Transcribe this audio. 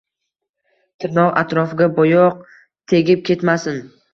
Tirnoq atrofiga boyoq tegib ketmasin